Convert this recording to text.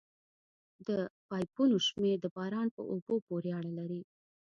د پایپونو شمېر د باران په اوبو پورې اړه لري